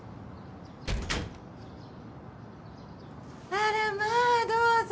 あらまあどうぞ。